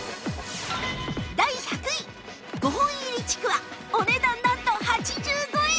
第１００位５本入りちくわお値段なんと８５円！